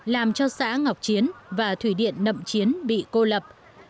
làm cho xã ngọc chiến và thủy điện nậm chiến bị cô lập